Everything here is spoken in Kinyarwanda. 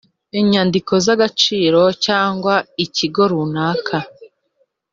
inyandiko z agaciro cyangwa ikigo runaka